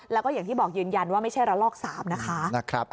แล้วก็อย่างที่บอกยืนยันว่าไม่ใช่ระลอก๓นะคะ